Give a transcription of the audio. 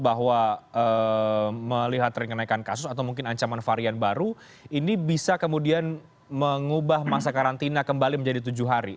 bahwa melihat tren kenaikan kasus atau mungkin ancaman varian baru ini bisa kemudian mengubah masa karantina kembali menjadi tujuh hari